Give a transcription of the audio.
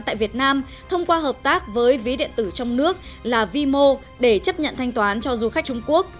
tại việt nam thông qua hợp tác với ví điện tử trong nước là vimo để chấp nhận thanh toán cho du khách trung quốc